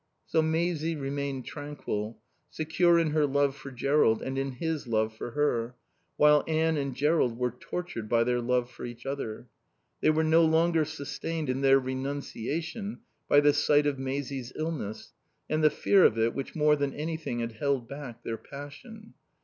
So Maisie remained tranquil, secure in her love for Jerrold, and in his love for her, while Anne and Jerrold were tortured by their love for each other. They were no longer sustained in their renunciation by the sight of Maisie's illness and the fear of it which more than anything had held back their passion.